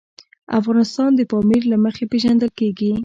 افغانستان د پامیر له مخې پېژندل کېږي.